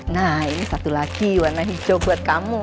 nah ini satu lagi warna hijau buat kamu